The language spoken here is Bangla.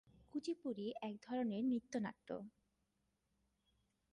কুচিপুড়ি এক ধরনের নৃত্যনাট্য।